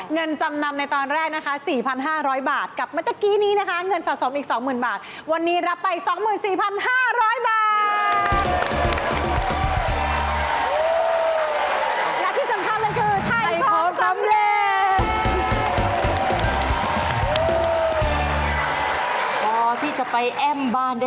เงินจำนำในตอนแรกนะคะ๔๕๐๐บาทกับเมื่อตะกี้นี้นะคะเงินสะสมอีก๒๐๐๐บาทวันนี้รับไป๒๔๕๐๐บาท